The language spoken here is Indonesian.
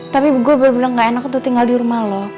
tapi gue bener bener gak enak tuh tinggal di rumah loh